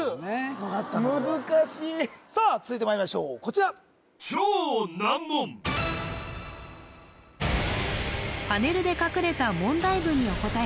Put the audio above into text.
さあ続いてまいりましょうこちらパネルで隠れた問題文にお答え